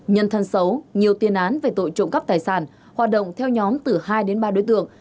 nhân thân xấu nhiều tiên án về tội trộm cắp tài sản hoạt động theo nhóm từ hai đến ba đối tượng